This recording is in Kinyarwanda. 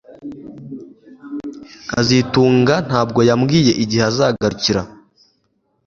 kazitunga ntabwo yambwiye igihe azagarukira